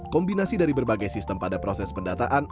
kombinasi dari berbagai sistem pada proses pendataan